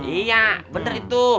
iya bener itu